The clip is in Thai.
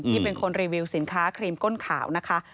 เป็นคนรีวิวสินค้าครีมก้นขาวนะคะ